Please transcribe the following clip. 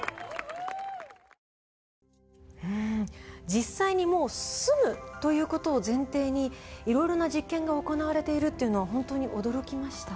実際にもう住むという事を前提にいろいろな実験が行われているっていうのは本当に驚きました。